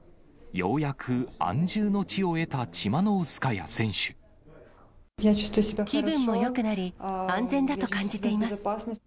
ようやく安住の地を得たチマ気分もよくなり、安全だと感